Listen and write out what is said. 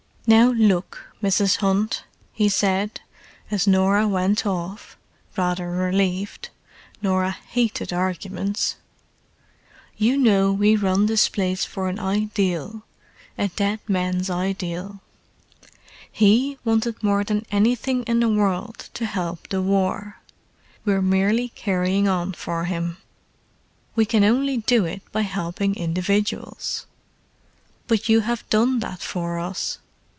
"Now look, Mrs. Hunt," he said, as Norah went off, rather relieved—Norah hated arguments. "You know we run this place for an ideal—a dead man's ideal. He wanted more than anything in the world to help the war; we're merely carrying on for him. We can only do it by helping individuals." "But you have done that for us.